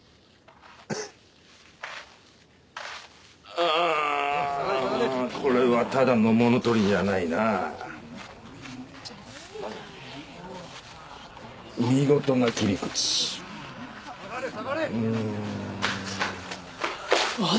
はぁあぁこれはただの物取りじゃないなぁ見事な切り口うんあっ